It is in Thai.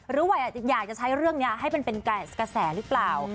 หรือว่าอยากจะใช้เรื่องนี้ให้เป็นกระแสหรือเปล่า